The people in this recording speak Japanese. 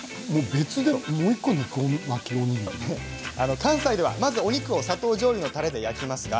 関西ではまずお肉を砂糖じょうゆのたれで焼きますよね。